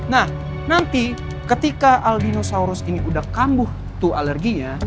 nah nanti ketika aldinosaurus ini udah kambuh tuh alerginya